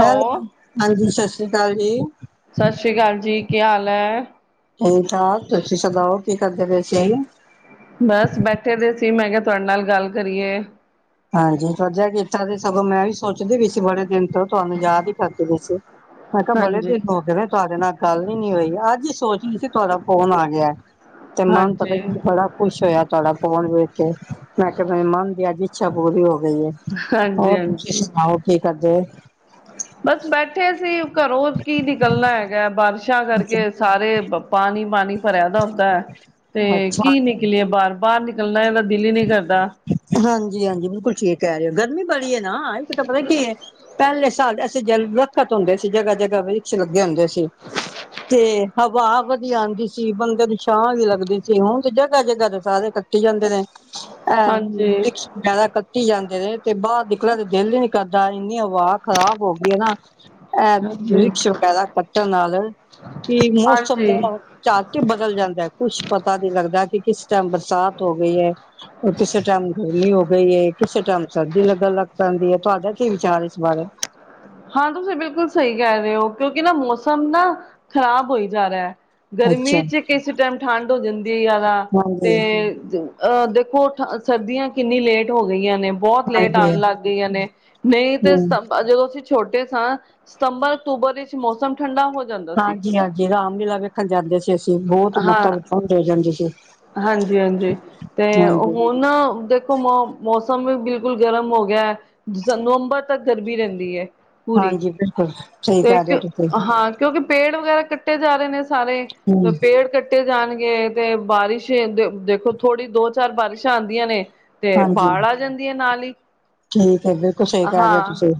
Hello ਹਾਂਜੀ ਸਤਿ ਸ੍ਰੀ ਅਕਾਲ ਜੀ। ਸਤਿ ਸ੍ਰੀ ਅਕਾਲ ਜੀ ਕੀ ਹਾਲ ਹੈ। ਠੀਕ -ਠਾਕ ਤੁਸੀਂ ਸੁਣਾਓ ਕੀ ਕਰਦੇ ਪਏ ਸੀ। ਬਸ ਬੈਠੇ ਦੇ ਸੀ ਮੈਂ ਕਿਆ ਤੁਹਾਡੇ ਨਾਲ ਗੱਲ ਕਰੀਏ। ਹਾਂਜੀ ਵਧੀਆ ਕੀਤਾ ਸੀ ਸਗੋਂ ਮੈਂ ਵੀ ਸੋਚਦੀ ਵੀ ਸੀ ਬੜੇ ਦਿਨ ਤੋਂ ਤੁਹਾਨੂੰ ਯਾਦ ਹੀ ਕਰਦੀ ਪਈ ਸੀ। ਮੈਂ ਕਿਆ ਬੜੇ ਹਾਂਜੀ ਦਿਨ ਹੋ ਗਏ ਤਹਾਡੇ ਨਾਲ ਗੱਲ ਨਈ ਹੋਈ ਅੱਜ ਸੋਚਦੀ ਸੀ ਤੁਹਾਡਾ ਫੋਨ ਆ ਗਿਆ ਤੇ ਮਨ ਪਤਾ ਹਾਂਜੀ ਬੜਾ ਖੁਸ਼ ਹੋਇਆ ਤੁਹਾਡਾ ਫੋਨ ਵੇਖ ਕੇ ਮੈਂ ਕਿਆ ਮੇਰੇ ਮਨ ਦੀ ਅੱਜ ਇੱਛਾ ਪੂਰੀ ਹੋ ਗਈ। ਹਾਂਜੀ ਹੋਰ ਤੁਸੀਂ ਹਾਂਜੀ ਸੁਣਾਓ ਕੀ ਕਰਦੇ। ਬਸ ਬੈਠੇ ਸੀ ਘਰੋਂ ਕੀ ਨਿਕਲਣਾ ਹੈਗਾ ਬਾਰਿਸ਼ਾਂ ਕਰਕੇ ਸਾਰੇ ਪਾਣੀ-ਪਾਣੀ ਭਰਿਆ ਦਾ ਹੁੰਦਾ ਤੇ ਕੀ ਅੱਛਾ ਨਿਕਲੀਏ ਬਾਹਰ-ਬਾਹਰ ਨਿਕ ਕੱਲਿਆਂ ਦਾ ਦਿਲ ਹੀ ਨਈ ਕਰਦਾ। ਹਾਂਜੀ-ਹਾਂਜੀ ਬਿਲਕੁਲ ਠੀਕ ਕਹਿ ਰਏ ਹੋ ਅਗਰ ਗਰਮੀ ਬੜੀ ਏ ਨਾ ਇੱਕ ਤਾਂ ਪਤਾ ਕੀ ਪੈਲੇ ਸਾਡੇ ਅਸੀ ਦਰੱਖਤ ਹੁੰਦੇ ਸੀ ਜਗ੍ਹਾ-ਜਗ੍ਹਾ ਵਈ ਲੱਗੇ ਹੁੰਦੇ ਸੀ ਤੇ ਹਵਾ ਵਧੀਆ ਆਂਦੀ ਸੀ ਬੰਦੇ ਨੂੰ ਛਾਂ ਵੀ ਲੱਗਦੀ ਸੀ ਹੁਣ ਤੇ ਜਗ੍ਹਾ-ਜਗ੍ਹਾ ਤੇ ਸਾਰੇ ਕੱਟੀ ਜਾਂਦੇ ਨੇ। ਐ ਹਾਂਜੀ ਵਰੀਕਛ ਵਗੈਰਾ ਕੱਟੀ ਜਾਂਦੇ ਨੇ ਤੇ ਬਾਹਰ ਨਿਕਲਣ ਤੇ ਦਿਲ ਹੀ ਨਈ ਕਰਦਾ। ਇੰਨੀ ਹਵਾ ਖਰਾਬ ਹੋ ਗਈ ਏ ਨਾ ਇਹ ਹਾਂਜੀ ਵਰੀਕਛ ਵਗੈਰਾ ਕੱਟਣ ਨਾਲ ਕੀ ਮੌਸਮ ਹਾਂਜੀ ਦਾ ਝਟ ਹੀ ਬਦਲ ਜਾਂਦਾ ਐ ਕੁਛ ਪਤਾ ਨੀ ਲੱਗਦਾ ਕਿ ਕਿਸ ਟਾਈਮ ਬਰਸਾਤ ਹੋ ਗਈ ਐ। ਓ ਕਿਸੇ ਟਾਈਮ ਗਰਮੀ ਹੋ ਗਈ ਏ ਕਿਸੇ ਟਾਈਮ ਸਰਦੀ ਲੱਗਣ ਲੱਗ ਪੈਂਦੀ ਏ ਤੁਹਾਡਾ ਕੀ ਵਿਚਾਰ ਇਸ ਬਾਰੇ ਹਾਂ ਤੁਸੀਂ ਬਿਲਕੁਲ ਸਈ ਕਹਿ ਰਏ ਓ ਕਿਉਂਕਿ ਨਾ ਮੌਸਮ ਨਾ ਖ਼ਰਾਬ ਹੋਈ ਜਾ ਰਿਆ। ਅੱਛਾ ਗਰਮੀ 'ਚ ਕਿਸ ਟੈਮ ਠੰਡ ਹੋ ਜਾਂਦੀ ਏ ਜਾਦਾ ਤੇ ਹਾਂਜੀ ਅ ਦੇਖੋ ਠ ਸਰਦੀਆਂ ਕਿੰਨੀ ਲੇਟ ਹੋ ਗਈਆਂ ਨੇ। ਬੋਤ ਲੇਟ ਆਨ ਹਾਂਜੀ ਲਾੱਗ ਗਈਆਂ ਨੇ, ਨਈ ਤੇ ਹਮ ਸਤੱਮ ਜਦੋ ਅਸੀ ਛੋਟੇ ਸਾ, ਸਤੰਬਰ‌ ਅਕਤੂਬਰ ਇੱਚ ਹਾਂਜੀ-ਹਾਂਜੀ ਰਾਮਲੀਲਾ ਵੇਖਨ ਜਾਂਦੇ ਸੀ ਅਸੀ, ਬੋਤ ਮੱਤਬ ਠੰਡ ਹੋ ਜਾਂਦੀ ਸੀ। ਹਾਂਜੀ-ਹਾਂਜੀ ਤੇ ਹਾਂਜੀ ਹੁਣ ਨਾ ਦੇਖੋ ਮੌ ਮੌਸਮ ਵੀ ਬਿਲਕੁਲ ਗਰਮ ਓ ਗਯੈ ਨਵੰਬਰ ਤੱਕ ਗਰਮੀ ਰੈਂਦੀ ਏ ਪੂਰੀ, ਹਾਂਜੀ ਬਿਲਕੁਲ ਸਹੀ ਤੇ ਕਹਿ ਇੱਕ, ਰਹੇ ਹੋ ਤੁਸੀਂ ਹਾਂ ਕਯੋਕਿ ਪੇੜ ਵਗੈਰਾ ਕੱਟੇ ਜਾ ਰਏ ਨੇ ਸਾਰੇ, ਹਮ ਪੇੜ ਕੱਟ ਕੱਟੇ ਜਾਨਗੇ ਤੇ ਬਾਰਿਸ਼ ਦੇ ਦੇਖੋ ਥੋੜ੍ਹੀ ਦੋ-ਚਾਰ ਬਾਰਿਸ਼ਾਂ ਆਂਦੀਆਂ ਨੇ ਤੇ ਹਾਂਜੀ ਬਾੜ ਆ ਜਾਂਦੀ ਏ ਨਾਲ ਈ। ਠੀਕ ਏ ਬਿਲਕੁਲ ਸਈ ਕੈ ਰੇ ਓ ਤੁਸੀ।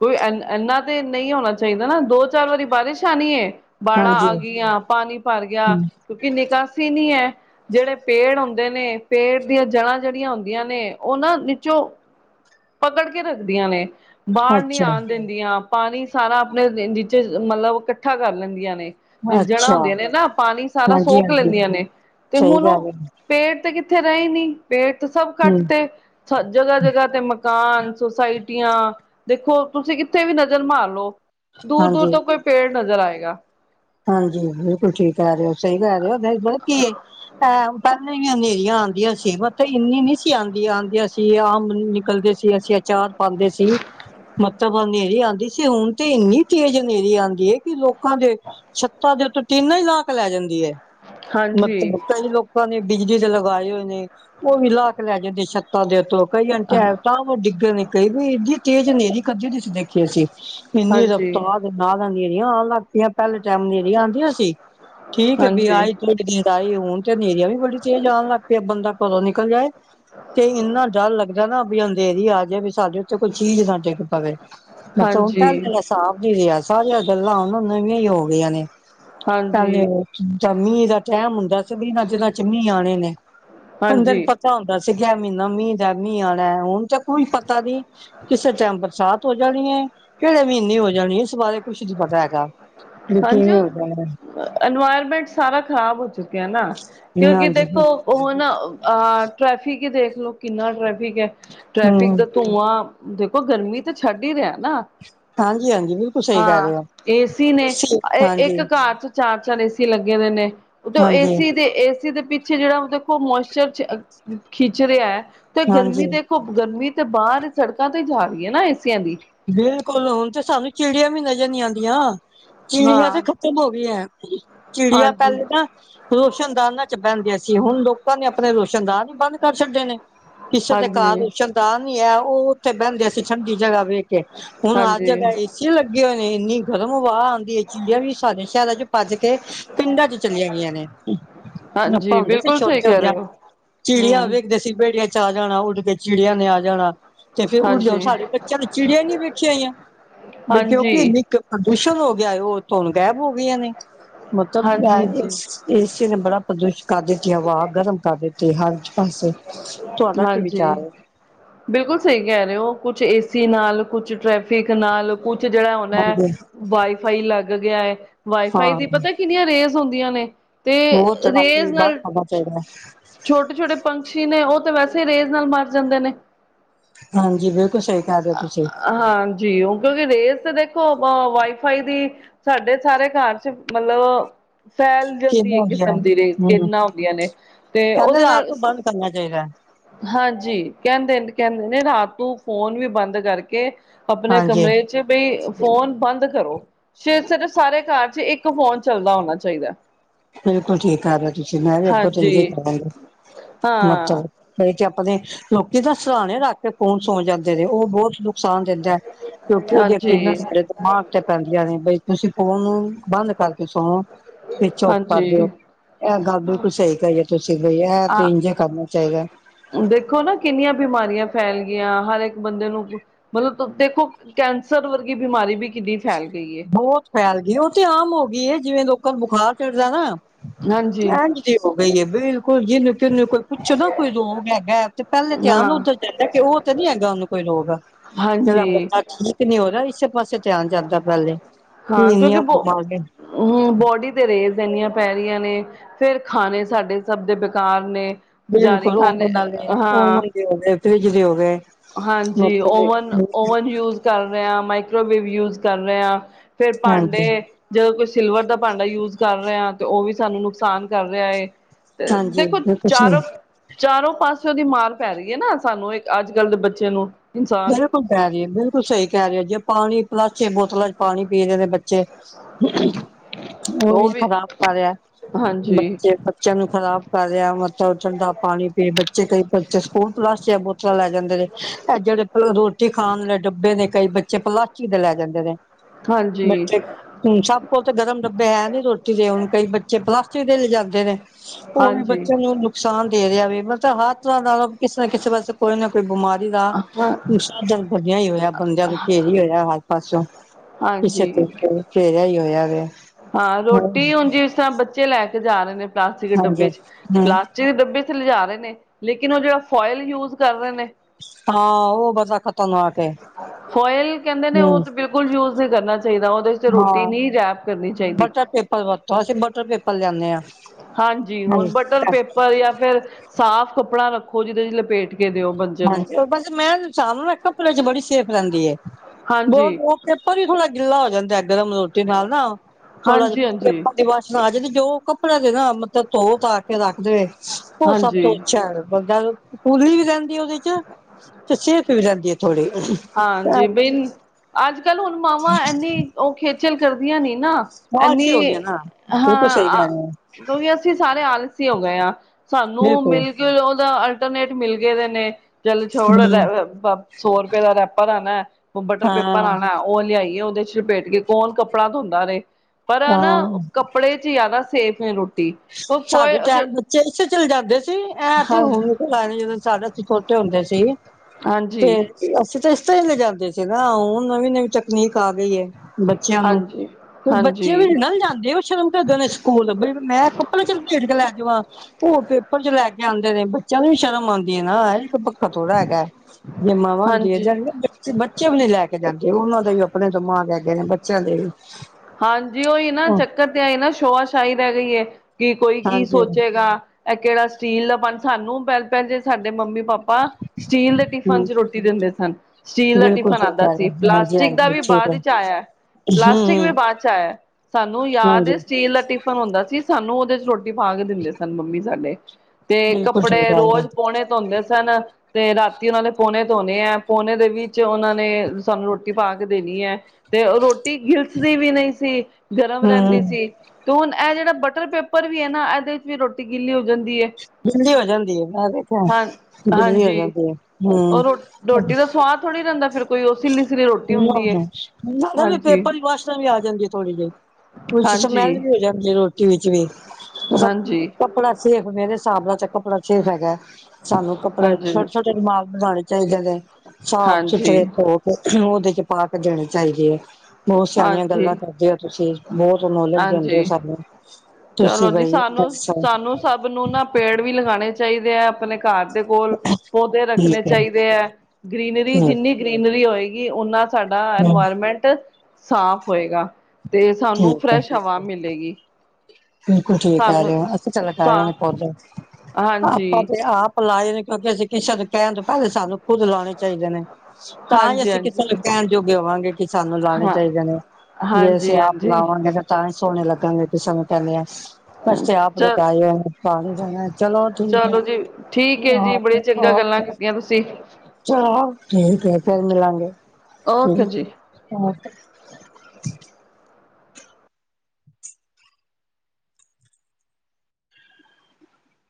ਕੋਈ ਐਨ ਐਨਾ ਤੇ ਨਈ ਹੋਣਾ ਚਾਈਦਾ ਨਾ ਦੋ-ਚਾਰ ਵਾਰੀ ਬਾਰਿਸ਼ ਆਨੀ ਏ ਬਾੜਾ ਹਾਂਜੀ ਆ ਗਈਆਂ, ਪਾਨੀ ਪਾਰ ਗਯਾ ਹਮ ਕਯੂਕਿ ਨਿਕਾਸੀ ਨੀ ਐ। ਜੜੇ ਪੇੜ ਓਂਦੇ ਨੇ, ਪੇੜ ਦੀਆਂ ਜੜਾ ਜੜੀਆਂ ਓਂਦੀਆਂ ਨੇ ਓ ਨਾ ਨੀਚੋਂ ਪਕੜ ਕੇ ਰੱਖਦੀਆਂ ਨੇ, ਬਾੜ ਨੀ ਅੱਛਾ ਆਨ ਦੇਨ ਦੀਆਂ ਪਾਨੀ ਸਾਰਾ ਅਪਨੇ ਨੀਚੇ ਮਲਬ ਕੱਠਾ ਕਾਰ ਲੈਂਦੀਆਂ ਨੇ। ਜੜੀ ਜੜਾਂ ਅੱਛਾ ਓਂਦੀਆਂ ਨੇ ਨਾ ਪਾਨੀ ਸਾਰਾ ਹਾਂਜੀ ਸੋਕ ਹਾਂਜੀ ਲੈਂਦੀਆਂ ਨੇ, ਤੇ ਸਹੀ ਹੁਨ ਓ ਕਹਿ ਰਹੇ ਪੇੜ ਤੇ ਕਿੱਥੇ ਰਏ ਨੀ, ਪੇੜ ਤੇ ਸੱਬ ਹੋ ਕਾੱਟ ਹਮ ਤੇ ਸ ਜਗਾ- ਜਗਾ ਤੇ ਮ ਦੁਕਾਨ, ਸੋਸਾਇਟੀਆਂ ਦੇਖੋ ਤੁਸੀ ਕਿੱਥੇ ਵੀ ਨਜ਼ਰ ਮਾਰ ਲਓ ਦੂਰ-ਦੂਰ ਹਾਂਜੀ ਤੋ ਕੋਈ ਪੇੜ ਨਜਰ ਆਏਗਾ। ਹਾਂਜੀ ਬਿਲਕੁਲ ਠੀਕ ਕੈ ਰਏ ਓ ਸਈ ਕੈ ਰਏ ਓ [unintelligible] ਪਤਾ ਕੀ ਏ, ਅ ਪੈਲੇ ਵੀ ਹਨੇਰੀਆਂ ਆਂਦੀਆਂ ਸੀ ਪਤਾ ਇੰਨੀ ਨੀ ਸੀ ਆਂਦੀਆਂ, ਆਂਦੀਆਂ ਸੀ ਆਮ ਨਿਕਲਦੇ ਸੀ ਅਸੀ ਅਚਾਰ ਪਾਂਦੇ ਸੀ, ਮਤੱਬ ਅਨੇਰੀ ਆਂਦੀ ਸੀ ਹੁਨ ਤੇ ਇੰਨੀ ਤੇਜ਼ ਹਨੇਰੀ ਆਂਦੀ ਏ ਕਿ ਲੋਕਾਂ ਦੇ ਛੱਤਾ ਦੇ ਉਤੋ ਟੀਨਾ ਈ ਲਾਕੇ ਲੈ ਜਾਂਦੀ ਏ। ਹਾਂਜੀ ਮਤਬ ਕਈ ਲੋਕ ਲੋਕਾਂ ਨੇ ਬਿਜਲੀ ਦੇ ਲਗਾਏ ਓਏ ਨੇ ਓਵੀ ਲਾ ਕੇ ਲੈ ਜਾਂਦੇ ਛੱਤਾਂ ਦੇ ਉਤੋਂ ਕਈਆਂ ਦੇ ਤਾਂ ਓ ਡਿੱਗਨ ਨੀ ਕਈ ਦੀ ਇਡੀ ਤੇਜ਼ ਹਨੇਰੀ ਕਦੀ ਨੀ ਸੀ ਦੇਖੀ ਅਸੀ, ਇੰਨੀ ਹਾਂਜੀ ਰਫਤਾਰ ਤੇ ਨਾਲ ਹਨੇਰੀਆਂ ਆਨ ਲਾੱਗ ਪਈਆਂ ਪੈਲੇ ਟੈਮ ਹਨੇਰੀਆਂ ਆਂਦੀਆਂ ਸੀ, ਠੀਕ ਬੀ ਆਈ ਹਾਂਜੀ ਥੋੜੀ ਦੇਰ ਆਈ ਹੋਨ ਤੇ ਹਨੇਰੀਆਂ ਵੀ ਤੇਜ਼ ਆਨ ਲਾੱਗ ਪਈਐ, ਬੰਦਾ ਘਰੋ ਨਿਕਲ ਜਾਏ ਤੇ ਇੰਨਾ ਡਾਰ ਲੱਗਦੈ ਨਾ ਬੀ ਅੰਧੇਰੀ ਆ ਜਾਵੇ ਵੀ ਸਾਡੇ ਉੱਤੇ ਕੋਈ ਚੀਜ਼ ਨਾ ਡਿੱਗ ਪਵੇ। ਮਤਬ ਹੁਨ ਤੇ ਹਾਂਜੀ ਪੈਲੇ ਆਲਾ ਹਿਸਾਬ ਨੀ ਰੇਆ, ਸਾਰੀਆਂ ਗੱਲਾ ਓਨ ਨਾ ਨਵੀਆਂ ਈ ਓ ਗੀਆਂ ਨੇ। ਪੈਲੇ, ਹਾਂਜੀ ਗਰਮੀ ਦਾ ਟੈਮ ਹੁੰਦਾ ਸੀ ਵੀ ਰੱਜ-ਰੱਜ ਮੀਂ ਆਣੇ ਨੇ। ਬੰਦੇ ਨੂੰ ਹਾਂਜੀ ਪਤਾ ਓਂਦਾ ਸੀ ਕਿ ਐ ਮੀਨਾ ਮੀਂ ਦੈ ਮੀਂ ਆਣੈ ਓਨ ਤਾ ਕੋਈ ਪਤਾ ਨੀ ਕਿਸੇ ਟੈਮ ਬਰਸਾਤ ਓ ਜਾਣੀ ਏ, ਕੇੜੇ ਮ੍ਹੀਨੇ ਹੋ ਜਾਣੀ ਏ ਇਸ ਬਾਰੇ ਕੁਛ ਨੀ ਪਤਾ ਐਗਾ। ਹਾਂਜੀ ਓ, ਅਨਵਾਯਰਮੈਂਟ ਸਾਰਾ ਖ਼ਰਾਬ ਹੋ ਚੁੱਕੇਐ ਨਾ। ਕਯੋਕਿ ਹਾਂਜੀ ਦੇਖੋ ਓਹ ਨਾ ਆ ਟ੍ਰੈਫਿਕ ਹੀ ਦੇਖਲੋ ਕਿੰਨਾ ਟ੍ਰੈਫਿਕ ਐ। ਟ੍ਰੈਫਿਕ ਹੂੰ ਦਾ ਤੂਆਂ ਦੇਖੋ ਗਰਮੀ ਤੇ ਛੱਡ ਈ ਰੇਐ ਨਾ। ਹਾਂਜੀ-ਹਾਂਜੀ ਬਿਲਕੁਲ ਸਹੀ ਕਹਿ ਹਾਂ, ਰਹੇ ਹੋ। ਏਸੀ ਨੇ ਏਕ ਹਾਂਜੀ-ਹਾਂਜੀ, ਘਾੱਰ ਚ ਚਾਰ-ਚਾਰ ਏਸੀ ਲੱਗੇ ਨੇ ਨੇ ਤੋ ਹਾਂਜੀ। ਏਸੀ ਦੇ, ਏਸੀ ਦੇ ਪਿ ਪਿੱਛੇ ਜੜਾ ਦੇਖੋ ਮੋਏਸ਼ਚਰ ਖਿੱਚ ਰੇਐ, ਤੇ ਗਰਮੀ ਹਾਂਜੀ ਦੇ ਤੁੱਪ ਗਰਮੀ ਤੇ ਬਾਰ ਸੜਕਾਂ ਤੇ ਈ ਜਾ ਰੀ ਏ ਨਾ ਏਸੀਆਂ ਦੀ। ਬਿਲਕੁਲ ਹੋਨ ਤੇ ਸਾਨੂੰ ਚਿੜੀਆਂ ਵੀ ਨਜਰ ਨੀ ਆਂਦੀਆਂ, ਚਿੜੀਆਂ ਤੇ ਹਾਂ ਖ ਤਮ ਓ ਗੀਐ, ਚਿੜੀਆਂ ਹਾਂਜੀ ਪੈਲੇ ਨਾ ਰੋਸ਼ਨਦਾਨਾਂ ਚ ਬੈਂਦਿਆਂ ਸੀ ਹੋਨ ਲੋਕਾਂ ਨੇ ਅਪਨੇ ਰੋਸ਼ਨਦਾਨ ਈ ਬੰਦ ਕਰ ਛਡੇ ਨੇ ਕਿਸੇ ਦੇ ਘਾਰ ਹਾਂਜੀ ਰੋਸ਼ਨਦਾਨ ਨੀ ਹੈ ਉਹ ਉੱਥੇ ਬਹਿੰਦੇ ਸੀ ਠੰਡੀ ਜਗ੍ਹਾ ਵੇਖ। ਹੁਣ ਹਰ ਹਾਂਜੀ ਜਗਾਂ ਏਸੀ ਲੱਗੇ ਹੋਏ ਨੇ ਇੰਨੀ ਗਰਮ ਹਵਾ ਆਂਦੀ ਏ ਚਿੜਿਆਂ ਵੀ ਸਾਡੇ ਸ਼ਹਿਰਾਂ ਚ। ਭੱਜ ਕੇ ਪਿੰਡਾਂ ਚ ਚਲੀਆਂ ਗਈਆਂ ਨੇ ਅੱਪਾਂ ਹਾਂਜੀ ਹੁੰਦੇ ਤਸੀ ਬਿਲਕੁਲ ਸਹੀ ਛੋਟੇ ਕਹਿ ਹੁੰਦਿਆਂ। ਰਹੇ ਹੋ ਚਿੜੀਆਂ ਹਮ ਵੇਖਦੇ ਸੀਂ, ਵੇੜੇਆਂ ਚ ਆ ਜਾਣਾ ਉੱਡ ਕੇ ਚਿੜੀਆਂ ਨੇ ਆ ਜਾਣਾ। ਤੇ ਫੇਰ ਉੱਡ ਹਾਂਜੀ ਜਾਓ ਸਾਡੇ ਬੱਚਿਆਂ ਨੇ ਚਿੜੀਆਂ ਨੀ ਵੇਖੀਆਂ ਹੋਇਆ ਬਈੱ ਕਿੳਕਿਂ। ਹਾਂਜੀ ਇੱਕ ਪ੍ਰਦੂਸ਼ਣ ਹੋ ਗਿਆ ਉਹ ੳਥੋ ਹੁਣ ਗਾਇਬ ਹੋ ਗਈਆਂ ਨੇ ਮਤਲਬ ਹਾਂਜੀ ਇਹ। ਹਾਂਜੀ ਏ ਸੀ ਨੇ ਬੜਾ ਪ੍ਰਦੂਸ਼ਿਤ ਕਰ ਦਿੱਤੀ ਹਵਾ ਗਰਮ ਕਰ ਦਿੱਤੀ ਏ ਹਰ। ਪਾਸੇ, ਤੁਹਾਡਾ ਕੀ ਹਾਂਜੀ ਵਿਚਾਰ ਏ? ਬਿਲਕੁਲ ਸਹੀ ਕਹਿ ਰਹੇ ਹੋ ਕੁਛ ਏਸੀ ਨਾਲ ਕੁਛ ਟ੍ਰੈਫਿਕ ਨਾਲ। ਕੁਛ ਜਿਹੜਾ ਹੁਣ ਹਾਂਜੀ ਇਹ ਵਾਈਫਾਈ ਲੱਗ ਗਿਐ ਵਾਈਫਾਈ ਹਾਂ ਦੀ ਪਤਾ ਕਿੰਨੀਆਂ ਰੇਜ਼। ਹੁੰਦੀਆਂ ਨੇ, ਬਹੁਤ ਤੇ ਰਾਤੀ ਰੇਜ਼ ਬਾਹਰ ਨਾਲ। ਖਾਣਾ ਚਾਹੀਦਾ ਛੋਟੇ ਛੋਟੇ ਪੰਛੀ ਨੇ ਉਹ ਤੇ ਵੈਸੇ ਹੀ ਰੇਜ਼ ਨਾਲ ਮਰ ਜਾਂਦੇ ਨੇ। ਹਾਂਜੀ, ਬਿਲਕੁਲ ਸਹੀ ਕਹਿ ਰਹੇ ਹੋ ਤੁਸੀਂ। ਹਾਂ। ਜੀ ਉਹ, ਕਿਉਂਕਿ ਰੇਜ਼ ਤੇ ਦੇਖੋ ਵ ਵਾਈਫਾਈ ਦੀ [unintelligible] ਸਾਡੇ ਸਾਰੇ ਘਰ ਚ ਮਤਲਬ। ਫੈਲ ਜਾਂਦੀ ਕਿਵੇਂ ਹੋ ਇੱਕ ਗਿਆ ਕਿਸਮ ਦੀ ਰੇਜ਼ ਹਮ ਕਿਰਣਾਂ ਹੁੰਦੀਆਂ ਨੇ ਤੇ ਕਹਿੰਦੇ ਉਹਦੇ ਰਾਤ ਨਾਲ। ਨੂੰ ਬੰਦ ਕਰਨਾ ਚਾਹੀਦੈ। ਹਾਂਜੀ, ਕਹਿੰਦੇ, ਕਹਿੰਦੇ ਨੇ ਰਾਤ ਨੂੰ ਫੋਨ ਵੀ ਬੰਦ ਕਰਕੇ ਅਪਣੇ ਹਾਂਜੀ ਕਮਰੇ ਚ ਬਈ ਫੋਨ ਬੰਦ ਕਰੋ। ਸਿਰਫ ਸਾਰੇ ਘਰ ਚ ਇੱਕ ਫੋਨ ਚੱਲਦਾ ਹੋਣਾ ਚਾਹੀਦੈ। [unintelligible] ਬਿਲਕੁਲ, ਠੀਕ ਕਹਿ ਰਹੇ ਹੋ ਤੁਸੀਂ ਮੈਂ ਵੀ ਅਗੋ ਤੋ ਇੰਜੋਂ ਹੀ ਹਾਂਜੀ ਕਰਾਂਗੀ। ਹਾਂ ਮਤਲਬ ਕਈ ਤੇ ਅਪਣੇ ਲੋਕੀ ਤਾਂ ਸਰਾਹਣੇ ਰੱਖ ਕੇ ਫੋਨ ਸੌ ਜਾਂਦੇ ਨੇ ਉਹ ਬਹੁਤ ਨੁਕਸਾਨ ਦੇਂਦੈ। ਕਿਉਂਕਿ ਉਹਦਿਆ ਹਾਂਜੀ ਕਿਰਣਾਂ ਸਾਡੇ ਤੋ [unintelligible] ਮਾਗ ਤੇ ਪੈਂਦੀਆਂ ਨੇ ਬਈ ਤੁਸੀਂ ਫੋਨ ਨੂੰ ਬੰਦ ਕਰਕੇ ਸੋਂਵੋਂ ਵਿੱਚੋਂ ਕਰ ਦਿਓ, ਹਾਂਜੀ ਇਹ ਗੱਲ ਬਿਲਕੁਲ ਸਹੀ ਕਹੀਏ ਤੁਸੀਂ ਬਈ ਇਹ ਤੇ ਹਾਂ ਇੰਝ ਕਰਨਾ ਚਾਹੀਦੈ। ਦੇਖੋ ਨਾ ਕਿੰਨੀਆਂ ਬਿਮਾਰੀਆਂ ਫੈਲ ਗਈਆਂ ਹਰ ਇੱਕ ਬੰਦੇ ਨੂੰ ਮਤਲਬ ਦੇਖੋ ਕੈਂਸਰ ਵਰਗੀ ਬਿਮਾਰੀ ਵੀ ਕਿੰਨੀ ਫੈਲ ਗਈ ਏ। ਬਹੁਤ ਫੈਲ ਗਈ ਉਹ ਤੇ ਆਮ ਹੋ ਗਈ ਜਿਵੇਂ ਲੋਕਾਂ ਨੂੰ ਬੁਖਾਰ ਚੜਦੈ ਨਾ। ਹਾਂਜੀ। ਇੰਝ ਹੋ ਗਈ ਔ ਬਿਲਕੁਲ ਜਿਹਨੂੰ ਕਿਨੂੰ ਕੋਈ ਪੁੱਛ ਨਾ ਕੋਈ ਰੋਗ ਹੈਗੈ ਤੇ ਪਹਿਲੇ ਧਿਆਨ ਹਾਂ ਉਧਰ ਕਹਿੰਦਾ ਕਿ ਉਹ ਤਾਂ ਨੀ ਹੈਗਾ ਉਹਨੂੰ ਕੋਈ ਰੋਗ ਜਿਹੜਾ ਹਾਂਜੀ ਬੰਦਾ ਠੀਕ ਨੀ ਹੋ ਰਿਹਾ। ਇਸੇ ਪਾਸੇ ਧਿਆਨ ਜਾਂਦੈ ਪਹਿਲੇ ਕਿ ਹਾਂ ਕਿਉਂਕਿ, ਇੰਨੀਆਂ ਬਿਮਾਰੀਆਂ ਹਮ ਬੋਡੀ ਤੇ ਰੇਜ਼ ਇੰਨੀਆਂ ਪੈ ਰਹੀਆਂ ਨੇ। ਫੇਿਰ ਖਾਣੇ ਸਾਡੇ ਸਭ ਦੇ ਬੇਕਾਰ ਨੇ। ਬਜ਼ਾਰੀ ਬਿਲਕੁਲ ਖਾਣੇ ਓਮਨ ਵਾਲੇ, ਹਾਂ ਓਮਨ ਦੇ ਹੋ ਗਏ, ਫਰਿਜ ਦੇ ਹੋ ਗਏ। [inaudible] ਹਾਂਜੀ ਓਵਨ, ਮਤਲਬ ਓਵਨ ਯੂਜ ਕਰ ਰਿਹਾਾਂ ਮਾਈਕਰੋਵੇਵ ਯੂਜ ਕਰ ਰਿਹੇ ਹਾਂ ਫਿਰ ਭਾਂਡੇ ਹਾਂਜੀ ਜਦੋਂ ਕੋਈ ਸਿਲਵਰ ਦਾ ਭਾਂਡਾ ਯੂਜ ਕਰ ਰਿਹਾ ਹ ਤੇ ਉਹ ਵੀ ਸਾਨੂੰ ਨੁਕਸਾਨ ਕਰ ਰਿਹਾ ਹੈ। ਹਾਂਜੀ ਦੇਖੋ ਬਿਲਕੁਲ ਸਹੀ ਚਾਰੋਂ ਚਾਰੋਂ ਪਾਸਝ ਹੀ ਸਿ ਮਾਰ ਪੈ ਰਹੀ ਹੈ ਨਾ ਸਾਨੂੰ ਅੱਜ ਕੱਲ੍ਹ ਦੇ ਬੱਚੇ ਨੂੰ। ਇਨਸਾਨ ਬਿਲਕੁਲ ਪੈ ਰਹੀ। ਬਿਲਕੁਲ ਸਹੀ ਕਹਿ ਰਹੀ ਹੈ। ਜੇ ਪਾਣੀ ਪਲਾਸਟਿਕ ਬੋਤਲਾਂ 'ਚ ਪਾਣੀ ਪੀ ਰਹੇ ਨੇ ਬੱਚੇ [inaudible] ਤੇ ਉਹ ਵੀ ਉਹ ਖ਼ਰਾਬ ਕਰ ਰਿਹਾ। ਹਾਂਜੀ ਬੱਚੇ ਬੱਚਿਆਂ ਨੂੰ ਖ਼ਰਾਬ ਕਰ ਰਿਹਾ ਏ ਮਤਲਬ ਠੰਡਾ ਪਾਣੀ ਪੀ ਬੱਚੇ ਕਈ ਬਚੇ ਸਕੂਲ ਪਲਾਸਟਿਕ ਬੋਤਲਾਂ ਲੈ ਜਾਂਦੇ ਨੇ। ਐ ਜਿਹੜੇ ਰੋਟੀ ਖਾਣ ਲਈ ਡੱਬੇ ਨੇ ਕਈ ਬੱਚੇ ਪਲਾਸਟਿਕ ਦੇ ਲੈ ਜਾਂਦੇ ਨੇ ਹਾਂਜੀ ਮਿੱਠੇ ਹੂੰ ਸਭ ਕੋਲ ਤੇ ਗਰਮ ਡੱਬੇ ਹੈ ਨੀ ਰੋਟੀ ਦੇ ਹੁਣ ਕਈ ਬੱਚੇ ਪਲਾਸਟਿਕ ਦੇ ਲਿਜਾਂਦੇ ਨੇ। ਓ ਵੀ ਹਾਂਜੀ ਬੱਚਿਆਂ ਨੂੰ ਨੁਕਸਾਨ ਦੇ ਰਿਹਾ, ਵੀ ਮਤਲਬ ਹਰ ਤਰ੍ਹਾਂ ਨਾਲ ਕਿਸੇ ਨਾ ਕਿਸੇ ਪਾਸੇ ਕੋਈ ਨਾ ਕੋਈ ਬਿਮਾਰੀ ਦਾ ਹਾਂ ਨੁਕਸਾਨ ਤੇ ਬਣਿਆ ਹੀ ਹੋਇਆ ਬੰਦਿਆਂ ਨੂੰ ਘੇਰ ਹੀ ਹੋਇਆ ਹਰ ਪਾਸੋਂ ਕਿਸੇ ਹਾਂਜੀ ਤਰੀਕੇ ਘੇਰਿਆ ਹੀ ਹੋਇਆ ਵੈ। ਹਾਂ ਰੋਟੀ ਹੁਣ ਜਿਸ ਤਰ੍ਹਾਂ ਬੱਚੇ ਲੈ ਕੇ ਜਾ ਰਏ ਨੇ ਪਲਾਸਟਿਕ ਡੱਬੇ ਹਾਂਜੀ 'ਚ ਹਮ ਪਲਾ ਜਿਵੇ ਡੱਬੇ ਤੇ ਲਿਜਾ ਰਹੇ ਨੇ ਲੇਕਿਨ ਓ ਜਿਹੜਾ ਫੋਇਲ ਯੂਜ਼ ਕਰ ਰਏ ਨੇ ਹਾਂ। ਓ [unintelligible] ਖਤਨਨਾਕ ਏ। ਫੋਇਲ ਕੈਂਦੇ ਨੇ ਉਹ ਹਮ ਤੇ ਬਿਲਕੁਲ ਯੂ਼ਜ਼ ਨਹੀਂ ਕਰਨਾ ਚਾਹੀਦਾ ਉਹਦੇ 'ਚ ਰੋਟੀ ਹਾਂ ਨੀ ਰੈਪ ਕਰਨੀ ਚਾਹੀਦੀ। ਬਟਰ ਪੇਪਰ ਵਰਤੋਂ ਅਸੀਂ ਬਟਰ ਪੇਪਰ ਲਿਆਣੇ ਆ। ਹਾਂਜੀ ਹੁਣ ਬਟਰ ਪੇਪਰ ਜਾਂ ਫਿਰ ਸਾਫ਼ ਕੱਪੜਾ ਰੱਖੋ ਜਿਹਦੇ 'ਚ ਲਪੇਟ ਕੇ ਦਿਓ। ਬੱਚੇ ਨੂੰ ਹਾਂਜੀ ਬਸ ਮੈਂਨ ਕਪੜੇ 'ਚ ਬੜੀ ਸੇਫ ਰਹਿੰਦੀ ਏ। [unintelligible] ਹਾਂਜੀ, ਪੇਪਰ ਵੀ ਗਿੱਲਾ ਹੋ ਜਾਂਦਾ ਗਰਮ ਰੋਟੀ ਨਾਲ ਨਾ। ਥੋੜਾ ਜ ਹਾਂਜੀ, ਹਾਂਜੀ, [unintelligible] ਹਾਂ [unintelligible] ਜੋ ਕੱਪੜੇ ਦੇ ਨਾ ਮਤਲਬ ਧੋ ਧਾ ਕੇ ਰੱਖ ਦੇਵੇ। ਓ ਸਭ ਤੋਂ ਹਾਂਜੀ। ਅੱਛਾ ਹੈ [unintelligible] ਉਹਦੇ 'ਚ ਤੇ ਸੇਫ ਵੀ ਰਹਿੰਦੀ ਹੈ ਥੋੜੀ ਹਾਂਜੀ ਬਿਨ ਅੱਜ ਕੱਲ ਹੁਣ ਮਾਵਾਂ ਐੰਨੀ ਔਖੇ ਚੱਲ ਕਰਦੀਆਂ ਨੀ ਨਾ ਮਾਲਸ਼ ਐਨੀ ਹੋ ਗਈ ਨਾ ਬਿਲਕੁਲ ਸਹੀ ਹਾਂ ਕਹਿ ਰਹੇ ਹੋ ਕਿਉਂਕਿ ਅਸੀਂ ਸਾਰੇ ਆਲਸੀ ਹੋ ਗਏ ਆ ਸਾਨੂੰ ਬਿਲਕੁਲ ਮਿਲ ਗਿਲ ਉਹਦਾ ਅ ਇੰਟਰਨੈਟ ਮਿਲ ਗਏ ਦੇ ਨੇ ਚਲ ਛੋੜ, ਹਮ ਰਰ, ਪ ਸੌ ਰੁਪਏ ਦਾ ਰੈਪਰ ਆਨਾ। ਓ ਬਟਰ ਪੇਪਰ ਹਾਂ ਆਣਾ ਓ ਲਿਆਈਏ ਉਹਦੇ 'ਚ ਲਪੇਟ ਕੇ ਕੌਣ ਕੱਪੜਾ ਧੋਂਦਾ ਰਏ। ਪਰ ਆ ਨਾ ਹਾਂ ਕੱਪੜੇ 'ਚ ਜ਼ਿਆਦਾ ਸੇਫ ਏ ਰੋ ਸਾਡੇ ਟਾਇਮ ਬੱਚੇ ਇਸੇ 'ਚ ਲਜਾਂਦੇ ਸੀ ਐਂ ਤੇ ਹਾਂ ਹਾਂਜੀ ਜਦੋਂ ਸਾਡੇ ਛੋਟੇ ਹੁੰਦੇ ਸੀ ਤੇ ਹਾਂਜੀ ਅਸੀਂ ਤੇ ਤੇ ਲਿਜਾਂਦੇ ਸੀ ਨਾ ਹੁਣ ਨਵੀਂ-ਨਵੀਂ ਤਕਨੀਕ ਆ ਗਈ ਐ। ਬੱਚਿਆਂ ਨੂੰ ਹਾਂਜੀ ਹਾਂਜੀ ਬੱਚੇ ਵੀ ਹਾਂਜੀ ਨਈ ਲਜਾਂਦੇ ਓ ਸ਼ਰਮ ਕਰਦੇ ਨੇ ਸਕੂਲ ਬਈ ਮੈਂ ਕੱਪੜੇ 'ਚ ਲਪੇਟ ਕੇ ਲੈ ਜਵਾਂ। ਓ ਪੇਪਰ ''ਚ ਲੈ ਕੇ ਆਣਦੇ ਨੇ ਬੱਚਿਆਂ ਨੂੰ ਵੀ ਸ਼ਰਮ ਆਣਦੀ ਏ ਵੀ ਤੇ ਪ ਇਕ ਥੋੜ੍ਹਾ ਹੈਗਾ ਜੇ ਮਾਵਾਂ ਦੇ ਹਾਂਜੀ ਦੇਂਨ ਬੱਚੇ ਬ ਚੇ ਵੀ ਨੀ ਲੈ ਕੇ ਜਾਂਦੇ ਉਹਨਾਂ ਦਾ ਵੀ ਆਪਣੇ ਦਿਮਾਗ ਹੈਗੇ ਬੱਚਿਆਂ ਦੇ ਵੀ ਹਾਂਜੀ ਉਹੀ ਨਾ ਚੱਕਰ ਤੇ ਐ ਹੀ ਨਾ ਸ਼ੋਆਸ਼ਾਹੀ ਰਏ ਗਈ ਏ ਕਿ ਕੋਈ ਕੀ ਹਾਂਜੀ ਸੋਚੇਗਾ। ਐ ਕਿਹੜਾ ਸਟੀਲ ਦਾ ਬਣ ਸਾਨੂੰ ਪੈ ਜੇ ਸਾਡੇ ਮੰਮੀ ਪਾ ਪਾ ਸਟੀਲ ਦੇ ਟਿਫਨ ਹਮ 'ਚ ਰੋਟੀ ਦਿੰਦੇ ਸਨ। ਸਟੀਲ ਦਾ ਬਿਲਕੁਲ ਟਿਫਨ ਸਹੀ ਆਣਦਾ ਕਹਿ ਸੀ ਰਹੇ ਹਾਂਜੀ ਪਲਾਸਟਿਕ ਦਾ ਹਾਂਜੀ ਵੀ ਠੀਕ ਬਾਦ ਹੈ 'ਚ ਆਇਆ ਪਲਾਸ ਟਿਕ ਵੀ ਹਮ ਬਾਅਦ 'ਚ ਆਇਆ ਸਾਨੂੰ ਯਾਦ ਏ ਹਾਂਜੀ ਸਟੀਲ ਦਾ ਟਿਫ ਟੀਫਨ ਹੁੰਦਾ ਸੀ ਸਾਨੂੰ ਉਹਦੇ 'ਚ ਰੋਟੀ ਪਾ ਕੇ ਦਿੰਦੇ ਸਨ ਮੰਮੀ ਸਾਡੇ ਤੇ ਬਿਲਕੁਲ ਠੀਕ ਕੱਪੜੇ ਗੱਲ ਹੈ ਰੋਜ਼ ਪੌਣੇ ਧੋਂਦੇ ਸਨ। ਤੇ ਰਾਤੀ ਉਹਨਾਂ ਨੇ ਪੋਣੇ ਧੋਨੇ ਐ ਪੋਣੇ ਦੇ ਵਿੱਚ ਉਹਨਾਂ ਨੇ ਸਾਨੂੰ ਰੋਟੀ ਪਾ ਕੇ ਦੇਣੀ ਏ। ਤੇ ਓ ਰੋਟੀ ਗਿਲਸਦੀ ਵੀ ਨਹੀਂ ਸੀ ਗਰਮ ਰੈਂਦੀ ਹਮ ਸੀ। ਤੇ ਹੁਣ ਐ ਜੇੜਾ ਬਟਰ ਪੇਪਰ ਵੀ ਐ ਨਾ ਐਦੇ ਵਿੱਚ ਵੀ ਰੋਟੀ ਗਿੱਲੀ ਹੋ ਜਾਂਦੀ ਏ। ਗਿੱਲੀ ਹੋ ਜਾਂਦੀ ਐ ਦੇਖੋ ਗਿੱਲੀ ਹੋ ਜਾਂਦੀ ਐ। ਓ ਰੋ ਰੋਟੀ ਦਾ ਸਵਾਦ ਥੋੜ੍ਹੀ ਰੈਂਦਾ ਫਿਰ ਕੋਈ ਓ ਸਿੱਲੀ ਸਿੱਲੀ ਰੋਟੀ ਗਿੱਲੀ ਹੋ ਹੁੰਦੀ ਹੈ ਜਾਂਦੀ ਨਾਲੇ ਵੀ ਹਾਂਜੀ ਪੇਪਰ ਵਾਸ਼ਨਾ ਵੀ ਆ ਜਾਂਦੀ ਆ ਥੋੜ੍ਹੀ ਜਿਹੀ ਕੁੱਛ ਸਮੈਲ ਹਾਂਜੀ ਵੀ ਹੋ ਜਾਂਦੀ ਏ ਰੋ ਵਿਚ ਵੀ ਹਾਂਜੀ ਕੱਪੜਾ ਸੇਫ, ਮੇਰੇ ਸਾਬ ਨਾਲ ਤੇ ਕੱਪੜਾ ਸੇਫ ਹੈਗਾ। ਸਾਨੂੰ ਕੱਪੜੇ ਹਾਂਜੀ ਛੋਟੇ-ਛੋਟੇ ਰੁਮਾਲ ਬਣਾਣੇ ਚਾਈਦੇ ਨੇ ਹਾਂਜੀ ਸਾਫ-ਸੁਥਰੇ ਹੋ ਓ ਦੇ ਕਚ ਪਾ ਕੇ ਦੇਣੇ ਚਾਈਦੇ ਐ ਬੋਤ ਸਿਆਣੀਆਂ ਗੱਲਾਂ ਹਾਂਜੀ ਕਰਦੇ ਓ ਤੁਸੀਂ। ਬੋਤ ਨੋਲੇਜ ਦਿੰਦੇ ਓ ਹਾਂਜੀ ਸਾਨੂੰ ਚਲੋ ਤੁਸੀਂ ਜੀ ਬਾਈ ਸਾਨੂੰ ਅਕਸਰ ਸਾਨੂੰ ਸਭ ਨੂੰ ਨਾ ਪੇੜ ਵੀ ਲਗਾਣੇ ਚਾਈਦੇ ਐ ਆਪਣੇ ਕਾਰ ਦੇ ਕੋਲ ਪੌਦੇ ਰੱਖਣੇ ਠੀਕ ਹੈ ਚਾਈਦੇ ਐ ਗਰੀਨਰੀ ਠੀਕ ਜਿੰਨੀ ਗ੍ਰੀਨਰੀ ਹੋਏਗੀ ਓਨਾਂ ਸਾਡਾ ਹਮ ਇਨਵਾਇਰਮੈਂਟ ਸਾਫ਼ ਹੋਏਗਾ ਤੇ ਸਾਨੂੰ ਠੀਕ ਫਰੈਸ਼ ਹਵਾ ਮਿਲੇਗੀ। ਬਿਲਕੁੱਲ ਠੀਕ ਕੈ ਸਾਨੂੰ ਰੇ ਓ ਅਸੀ ਤਾ ਲਗਾਏ ਆ ਹੋਏ ਹਾਂ ਨੇ‌ ਪੌਦੇ ਅਪਾਂ ਹਾਂਜੀ ਤੇ ਆਪ ਪ ਲਾਏ ਨੇ ਕਿਉਂਕਿ ਅਸੀਂ ਕਿਸਾ ਦੇ ਕੈਣ ਤੋਂ ਪੈਲੇ ਸਾਨੂੰ ਖੁਦ ਲਾਣੇ ਚਾਈਦੇ ਨੇ। ਤਾਂ ਈ ਹਾਂਜੀ ਅਸੀਂ ਕਿਸੇ ਹਾਂਜੀ ਨੂੰ ਕੈਣ ਜੋਗੇ ਹੋਵਾਂਗੇ ਕਿ ਸਾਨੂੰ ਲਾਨੇ ਹਾਂ ਚਾਈਦੇ ਨੇ। ਜੇ ਅਸੀਂ ਹਾਂਜੀ ਆਪ ਹਾਂਜੀ ਲਾਵਾਂਗੇ ਤਾਂ ਈ ਸੋਣੇ ਲੱਗਾਂਗੇ ਕਿਸੇ ਨੂੰ ਕੈਨੇ ਆ। ਅਸੀਂ ਤਾ ਆਪ ਚ ਲਗਾਏ ਹੋਏ ਨੇ ਪਾਣੀ ਦੇਨਾ ਚਲੋ ਠੀਕ ਐ ਚਲੋ ਜੀ ਓਕੇ-ਓਕੇ। ਵਧੀਆ ਤੁਸੀ ਚਲੋ ਠੀਕ ਐ ਫੇਰ ਮਿਲਾਂਗੇ ਓਕੇ ਠੀਕ ਜੀ ਓਕੇ।